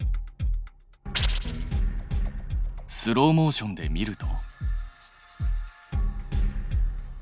スローモーションで見ると。